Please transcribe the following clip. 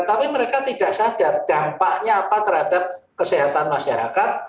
tapi mereka tidak sadar dampaknya apa terhadap kesehatan masyarakat